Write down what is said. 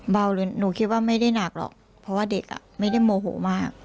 เบาเลยหนูคิดว่าไม่ได้หนักหรอกเพราะว่าเด็กอ่ะไม่ได้โมโหมาก